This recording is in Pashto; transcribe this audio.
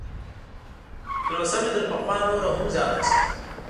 تلوسه مې تر پخوا نوره هم زیاته شوه.